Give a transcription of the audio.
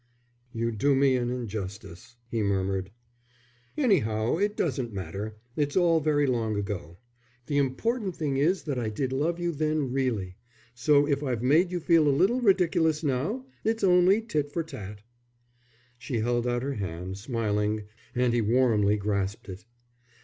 "You do me an injustice," he murmured. "Anyhow it doesn't matter, it's all very long ago. The important thing is that I did love you then really, so if I've made you feel a little ridiculous now, it's only tit for tat." She held out her hand, smiling, and he warmly grasped it.